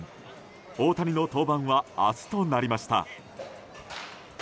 大谷の登板は明日となりました。